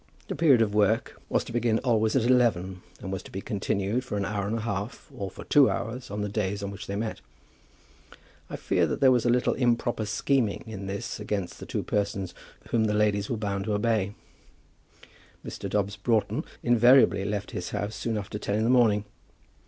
The period of work was to begin always at eleven, and was to be continued for an hour and a half or for two hours on the days on which they met. I fear that there was a little improper scheming in this against the two persons whom the ladies were bound to obey. Mr. Dobbs Broughton invariably left his house soon after ten in the morning.